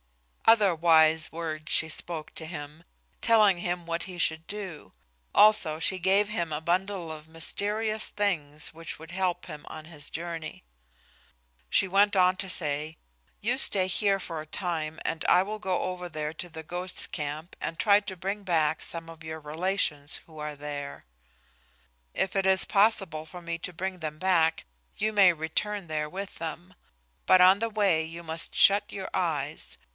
Other wise words she spoke to him, telling him what he should do; also she gave him a bundle of mysterious things which would help him on his journey. She went on to say, "You stay here for a time and I will go over there to the ghosts' camp and try to bring back some of your relations who are there. If it is possible for me to bring them back, you may return there with them, but on the way you must shut your eyes.